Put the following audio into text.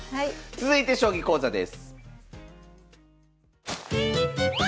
続いて将棋講座です。